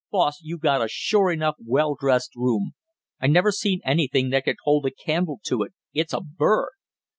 "Boss, you got a sure enough well dressed room; I never seen anything that could hold a candle to it, it's a bird!"